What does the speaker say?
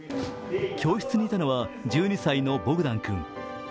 教室にいたのは１２歳のボグダン君。